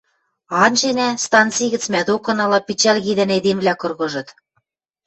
Анженӓ – станци гӹц мӓ докынала пичӓл кидӓн эдемвлӓ кыргыжыт.